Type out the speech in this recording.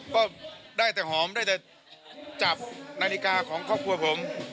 ก็ได้แต่หอมได้แต่จับนาฬิกาของครอบครัวผม